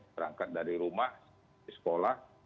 berangkat dari rumah di sekolah